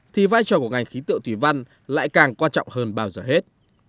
thì vai trò của ngành khí tượng thủy văn lại càng quan trọng hơn bao giờ hết